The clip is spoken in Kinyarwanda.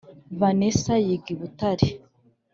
vanesa yiga i butare